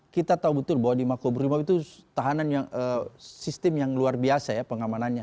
kita tahu betul bahwa di mako beri mob itu tahanan yang sistem yang luar biasa ya pengamanannya